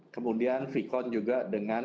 kemudian vikon juga dengan